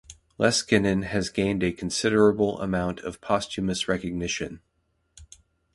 Leskinen has gained a considerable amount of posthumous recognition.